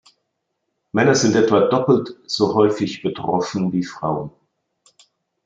Männer sind etwa doppelt so häufig betroffen wie Frauen.